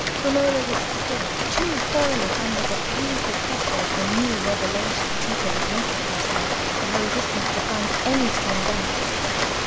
Romola was still too thoroughly under the painful pressure of the new revelation Tito was making of himself, for her resistance to find any strong vent.